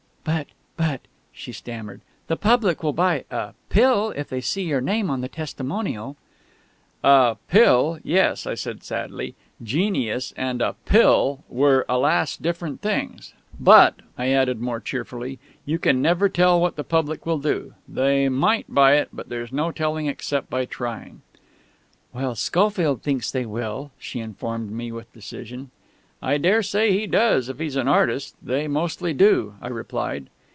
"But but " she stammered, "the public will buy a Pill if they see your name on the testimonial!" "A Pill yes," I said sadly.... Genius and a Pill were, alas, different things. "But," I added more cheerfully, "you can never tell what the public will do. They might buy it there's no telling except by trying " "Well, Schofield thinks they will," she informed me with decision. "I dare say he does, if he's an artist. They mostly do," I replied.